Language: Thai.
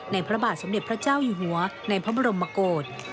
พระบาทสมเด็จพระเจ้าอยู่หัวในพระบรมโกศ